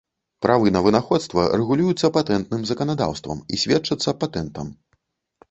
Правы на вынаходства рэгулююцца патэнтным заканадаўствам і сведчацца патэнтам.